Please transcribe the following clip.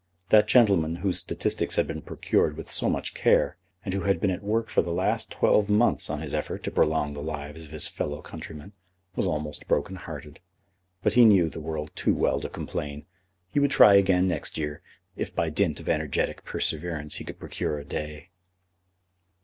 That gentleman whose statistics had been procured with so much care, and who had been at work for the last twelve months on his effort to prolong the lives of his fellow countrymen, was almost broken hearted. But he knew the world too well to complain. He would try again next year, if by dint of energetic perseverance he could procure a day.